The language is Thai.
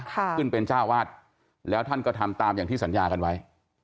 ขึ้นเป็นเจ้าวาดแล้วท่านก็ทำตามอย่างที่สัญญากันไว้